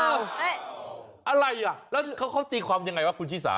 อะไรอ่ะแล้วเขาตีความยังไงวะคุณชิสา